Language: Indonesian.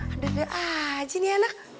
ada ada aja nih anak